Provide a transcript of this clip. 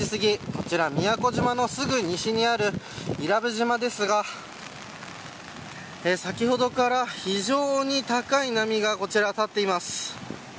こちら、宮古島のすぐ西にある伊良部島ですが先ほどから、非常に高い波がこちら、立っています。